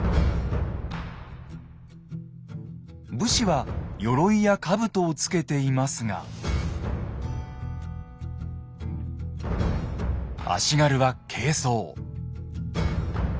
武士はよろいやかぶとをつけていますが足軽は軽装。